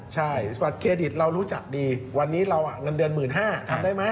ใช่บัตรเครดิตเรารู้จักดีวันนี้เราเงินเดือน๑๕๐๐บาททำได้ไหม